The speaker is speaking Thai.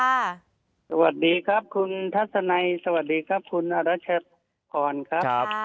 สวัสดีครับคุณทัศนัยสวัสดีครับคุณอรัชพรครับ